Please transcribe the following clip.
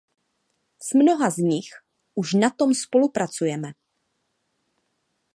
S mnoha z nich už na tom spolupracujeme.